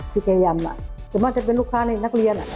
พี่แต๋ยำอ่ะจะมาเป็นลูกค้าในนักเรียนอ่ะ